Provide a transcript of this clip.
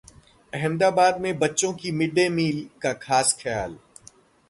अहमदाबाद में बच्चों की मिड डे मील का खास ख्याल